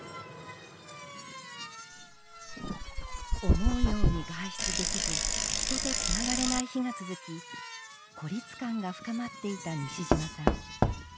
思うように外出できず人とつながれない日が続き孤立感が深まっていた西島さん。